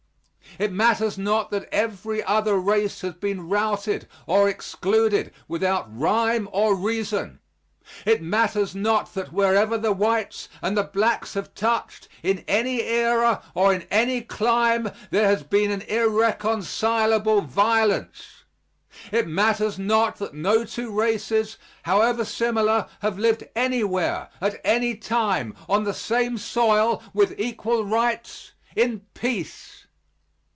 It matters not that every other race has been routed or excluded without rhyme or reason. It matters not that wherever the whites and the blacks have touched, in any era or in any clime, there has been an irreconcilable violence. It matters not that no two races, however similar, have lived anywhere, at any time, on the same soil with equal rights in peace!